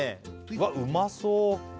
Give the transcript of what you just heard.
わっうまそう！